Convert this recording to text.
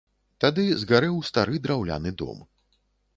Тады згарэў стары драўляны дом.